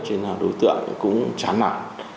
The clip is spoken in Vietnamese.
cho nên là đối tượng cũng chán nạn